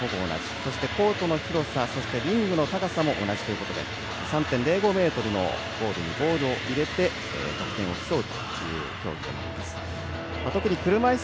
そしてコートの広さそしてリングの高さも同じということで３．０５ｍのゴールにボールを入れて得点を競うという競技となります。